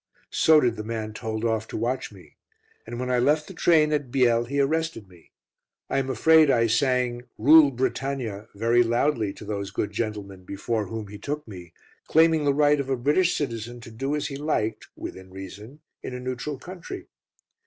So did the man told off to watch me. And when I left the train at Biel he arrested me. I am afraid I sang "Rule Britannia" very loudly to those good gentlemen before whom he took me, claiming the right of a British citizen to do as he liked, within reason, in a neutral country.